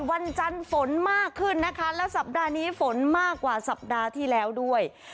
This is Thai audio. วันจันทร์ฝนมากขึ้นนะคะแล้วสัปดาห์นี้ฝนมากกว่าสัปดาห์ที่แล้วด้วย